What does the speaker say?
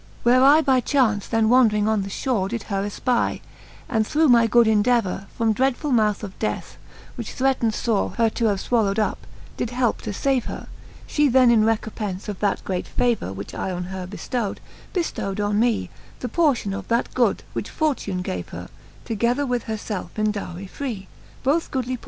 Where I by chaunce then wandring on the fhore Did her efpy, and through my good endevour From dreadfull mouth of death, which threatned fore Her to have fwallow'd up, did heipe to fave her. She then in recompence of that great favour, Which I on her beftowed, beftowed on me The portion of that good, which fortune gave her, • Together with her felfe in dowry free ;^ Both goodly portions, but of both the better fhe.